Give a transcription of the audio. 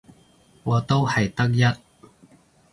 我都係得一